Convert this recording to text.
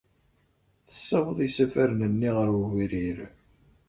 Tessaweḍ isafaren-nni ɣer wegrir.